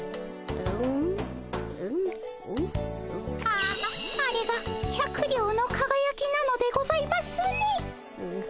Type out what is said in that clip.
あああれが百両のかがやきなのでございますね。